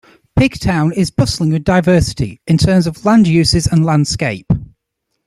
Pigtown is bustling with diversity, in terms of land uses and landscape.